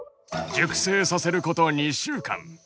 熟成させること２週間。